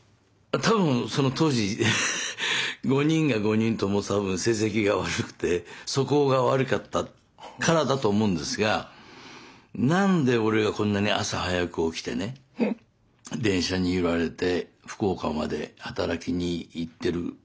たぶんその当時５人が５人とも成績が悪くて素行が悪かったからだと思うんですが「何で俺がこんなに朝早く起きてね電車に揺られて福岡まで働きに行ってるかっていうことをお前たち考えたことあんのか」